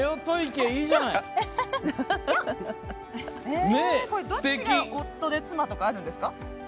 どっちが夫で妻とかあるんですか。